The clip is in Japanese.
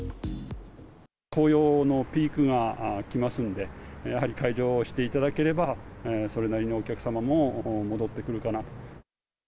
紅葉のピークが来ますので、やはり解除していただければ、それなりにお客様も戻ってくるかなと。